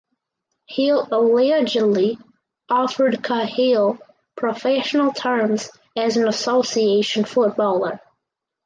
Hill allegedly offered Cahill professional terms as an association footballer.